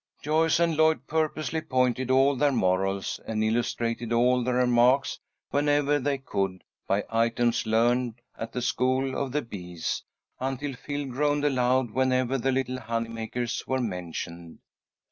Joyce and Lloyd purposely pointed all their morals, and illustrated all their remarks whenever they could, by items learned at the School of the Bees, until Phil groaned aloud whenever the little honey makers were mentioned.